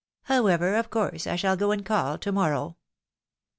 However, of course I shall go and call to morrow."